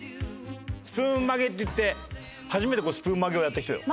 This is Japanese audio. スプーン曲げっていって初めてスプーン曲げをやった人よ。